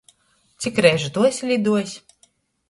Cik reižu tu esi liduojs?